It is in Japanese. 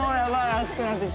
熱くなってきた。